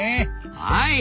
はい。